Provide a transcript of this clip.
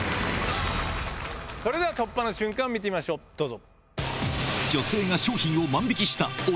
それでは突破の瞬間見てみましょうどうぞ。